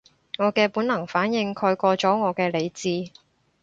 我嘅本能反應蓋過咗我嘅理智